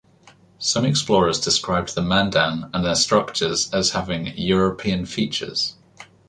Some explorers described the Mandan and their structures as having "European" features.